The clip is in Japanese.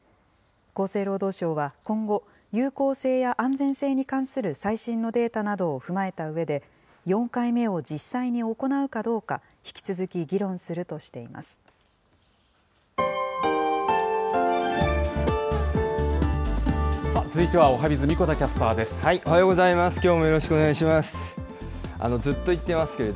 厚生労働省は今後、有効性や安全性に関する最新のデータなどを踏まえたうえで、４回目を実際に行うかどうか、引き続き議論するとしています。